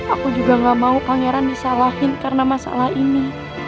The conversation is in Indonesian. aku juga gak mau pangeran disalahin karena masalah ini